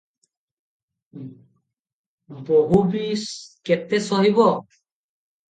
ବୋହୂ ବି କେତେ ସହିବ?